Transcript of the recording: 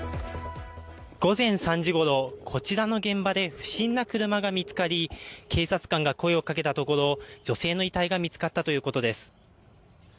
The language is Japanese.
午前３時ごろ、こちらの現場で不審な車が見つかり、警察官が声をかけたところ、女性の遺体が見つかったということです。